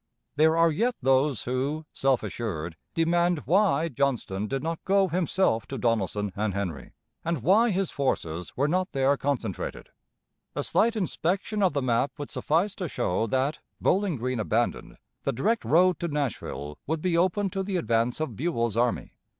There are yet those who, self assured, demand why Johnston did not go himself to Donelson and Henry, and why his forces were not there concentrated. A slight inspection of the map would suffice to show that, Bowling Green abandoned, the direct road to Nashville would be open to the advance of Buell's army.